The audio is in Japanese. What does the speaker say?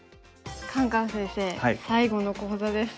カンカン先生最後の講座ですけど。